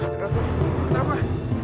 ratu kamu kenapa